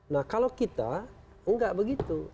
nah kalau kita enggak begitu